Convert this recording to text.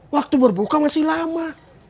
waktu berbuka masih lama